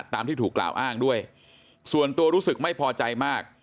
ตามที่ถูกกล่าวอ้างด้วยส่วนตัวรู้สึกไม่พอใจมาก